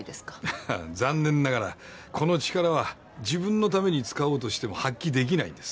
ははっ残念ながらこの力は自分のために使おうとしても発揮できないんです。